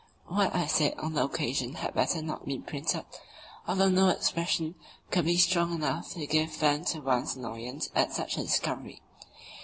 What I said on that occasion had better not be printed, though no expression could be strong enough to give vent to one's annoyance at such a discovery.